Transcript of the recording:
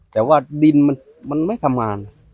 แต่ว่าดินมันไม่ทำงาน